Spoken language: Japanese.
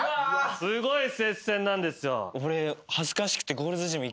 すごい接戦なんですよ。